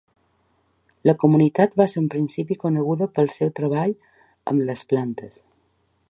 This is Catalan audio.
La comunitat va ser en principi coneguda pel seu treball amb les plantes.